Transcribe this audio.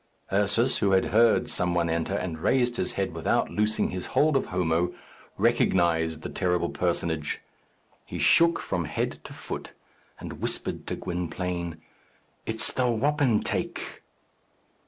Ursus, who had heard some one enter and raised his head without loosing his hold of Homo, recognized the terrible personage. He shook from head to foot, and whispered to Gwynplaine, "It's the wapentake."